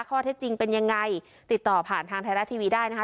ข้อเท็จจริงเป็นยังไงติดต่อผ่านทางไทยรัฐทีวีได้นะคะ